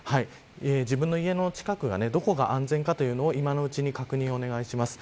自分の家の近くがどこが安全かというのを今のうちに確認をお願いします。